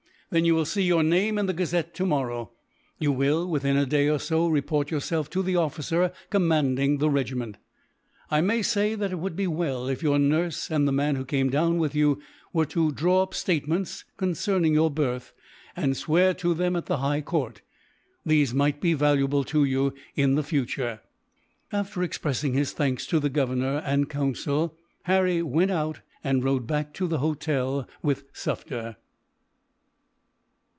Then you will see your name in the gazette, tomorrow. You will, within a day or so, report yourself to the officer commanding the regiment. "I may say that it would be well if your nurse, and the man who came down with you, were to draw up statements concerning your birth, and swear to them at the High Court. These might be valuable to you, in the future." After expressing his thanks to the Governor and Council, Harry went out, and rode back to the hotel with Sufder.